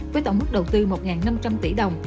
với tổng mức đầu tư một năm trăm linh tỷ đồng